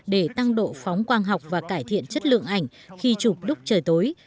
để tăng độ phóng quang học và cải thiện chất lượng ảnh khi chụp đúc trời tối